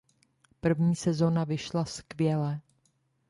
První sezona vyšla skvěle.